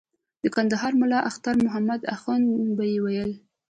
د کندهار ملا اختر محمد اخند به ویل.